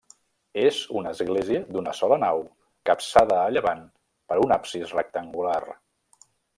És una església d'una sola nau capçada a llevant per un absis rectangular.